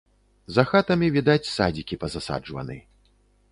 За хатамі відаць садзікі пазасаджваны.